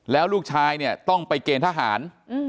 แล้วลูกชายเนี่ยต้องไปเกณฑ์ทหาร